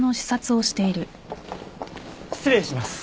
・失礼します。